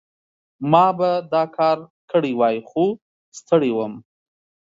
ما به دا کار کړی وای، خو ستړی وم.